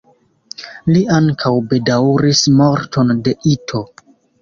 Li ankaŭ bedaŭris morton de Ito.